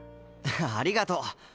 ありがとう。